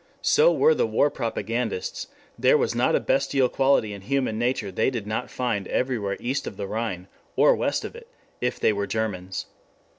So were the war propagandists: there was not a bestial quality in human nature they did not find everywhere east of the Rhine, or west of it if they were Germans.